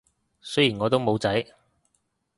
雖然我都冇仔